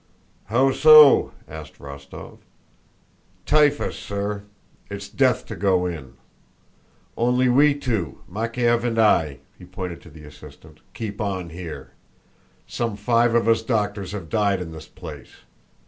"How so?" asked Rostóv. "Typhus, sir. It's death to go in. Only we two, Makéev and I" (he pointed to the assistant), "keep on here. Some five of us doctors have died in this place....